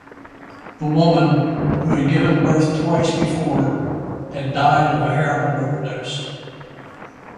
The woman, who had given birth twice before, had died of a heroin overdose.